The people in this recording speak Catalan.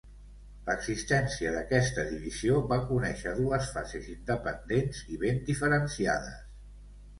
L'existència d'aquesta Divisió va conèixer dues fases independents i ben diferenciades.